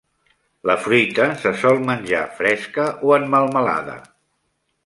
La fruita se sol menjar fresca o en melmelada.